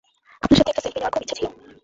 আপনার সাথে একটা সেলফি নেওয়ার খুব ইচ্ছা ছিল।